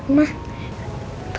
kayaknya lagi tidur deh